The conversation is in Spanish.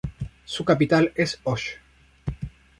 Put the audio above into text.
Su capital es Osh.